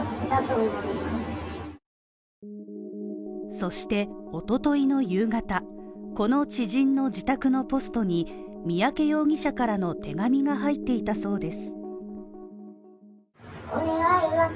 そして一昨日の夕方、この知人の自宅のポストに三宅容疑者からの手紙が入っていたそうです